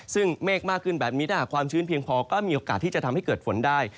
ซึ่งเมฆมากขึ้นแบบนี้ถ้าหากความชื้นเพียงพอก็มีโอกาสที่จะทำให้เกิดฝนได้